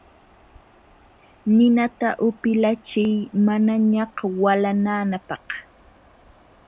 Ninata upilachiy manañaq walananapaq.